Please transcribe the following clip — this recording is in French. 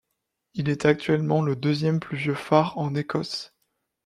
Il est actuellement le deuxième plus vieux phare en Ecosse.